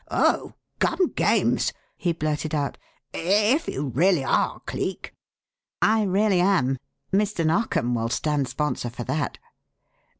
"Oh, gum games!" he blurted out. "If you really are Cleek " "I really am. Mr. Narkom will stand sponsor for that."